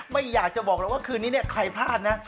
ไม่อยากจะบอกว่าคืนนี้ใครพลาดนะ